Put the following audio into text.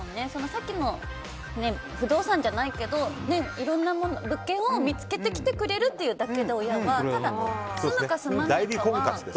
さっきの不動産じゃないけどいろんな物件を見つけてきてくれるだけでただ、住むか済まないかは。